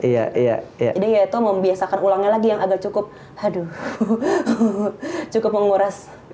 jadi ya itu membiasakan ulangnya lagi yang agak cukup haduh cukup menguras